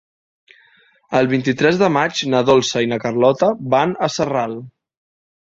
El vint-i-tres de maig na Dolça i na Carlota van a Sarral.